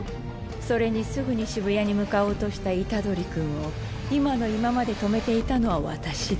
それにすぐに渋谷に向かおうとした虎杖君を今の今まで止めていたのは私だ。